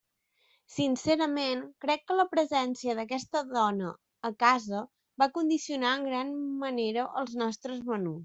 Sincerament, crec que la presència d'aquesta dona a casa va condicionar en gran manera els nostres menús.